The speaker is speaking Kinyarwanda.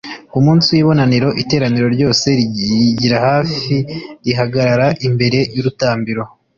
ku munsi w’ ibonaniro iteraniro ryose ryigira hafi rihagarara imbere y’urutambiro